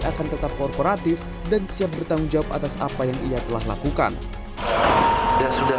akan tetap korporatif dan siap bertanggung jawab atas apa yang ia telah lakukan dan sudah